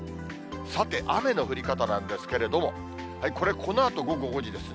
さて、雨の降り方なんですけれども、これ、このあと午後５時ですね。